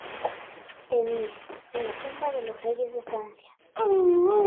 Denis, en la tumba de los Reyes de Francia.